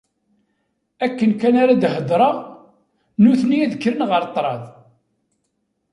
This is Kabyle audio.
Akken kan ara d-hedreɣ, nutni ad d-kkren ɣer ṭṭrad.